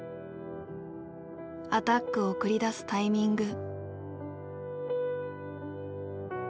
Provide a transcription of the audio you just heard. アタックを繰り出すタイミング。